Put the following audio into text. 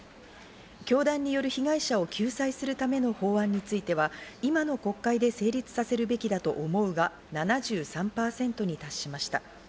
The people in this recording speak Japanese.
教団による被害者を救済するための法案については今の国会で成立させるべきだと思うが７３％に達しました。